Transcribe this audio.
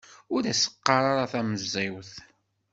Ur as-ɣɣar tamẓiwt.